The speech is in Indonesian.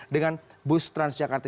dengan bus transjakarta